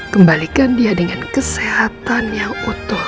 kembalikan dia dengan kesehatan yang utuh